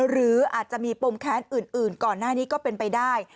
หรืออาจจะมีปมแค้นอื่นก่อนหน้านี้ก็เป็นไปได้